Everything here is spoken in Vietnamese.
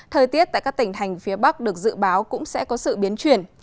thời tiết tại các tỉnh thành phía bắc được dự báo cũng sẽ có sự biến chuyển